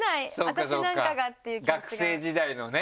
学生時代のね